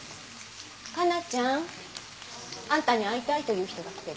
加奈ちゃん。あんたに会いたいという人が来てるよ。